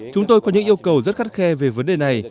chúng tôi có những yêu cầu rất khắt khe về vấn đề này